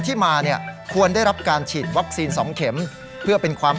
ที่มาเนี่ยควรได้รับการฉีดวัคซีน๒เข็มเพื่อเป็นความ